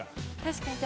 確かに。